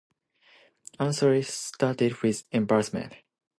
Anthony started with embarrassment.